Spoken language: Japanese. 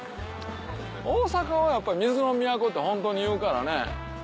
大阪はやっぱり水の都って本当に言うからね。